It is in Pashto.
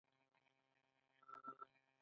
مڼه روغتیا تضمینوي